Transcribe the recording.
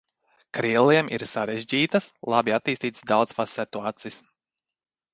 Kriliem ir sarežģītas, labi attīstītas daudzfasetu acis.